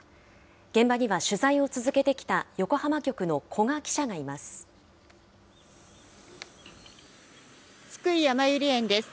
現場には取材を続けてきた横浜局の古賀記者がいます。